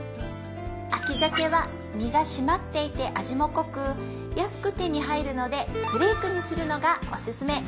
秋鮭は身が締まっていて味も濃く安く手に入るのでフレークにするのがおすすめ！